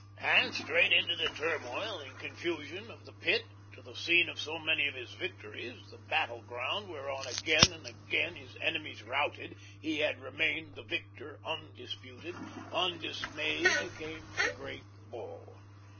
And straight into the turmoil and confusion of the Pit, to the scene of so many of his victories, the battle ground whereon again and again, his enemies routed, he had remained the victor undisputed, undismayed came the "Great Bull."